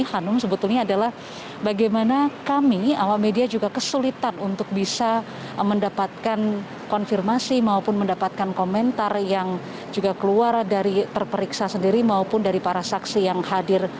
hanum sebetulnya adalah bagaimana kami awam media juga kesulitan untuk bisa mendapatkan konfirmasi maupun mendapatkan komentar yang juga keluar dari terperiksa sendiri maupun dari para saksi yang hadir